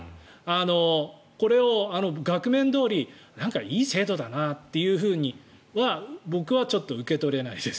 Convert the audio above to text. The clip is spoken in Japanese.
これを額面どおりいい制度だなとは僕はちょっと受け取れないです。